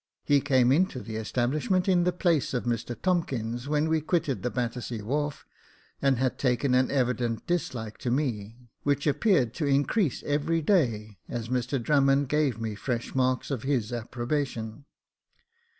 He came into the establishment in the place of Mr Tomkins, when we quitted the Battersea wharf, and had taken an evident dislike to me, which appeared to in crease every day, as Mr Drummond gave me fresh marks of his approbation.